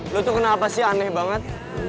lo tuh kenapa sih aneh banget